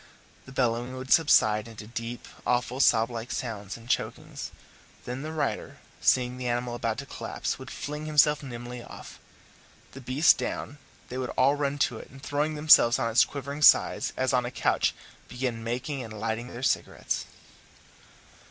The bellowing would subside into deep, awful, sob like sounds and chokings; then the rider, seeing the animal about to collapse, would fling himself nimbly off. The beast down, they would all run to it, and throwing themselves on its quivering side as on a couch, begin making and lighting their cigarettes.